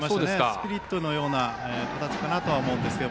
スプリットのような形かなと思います。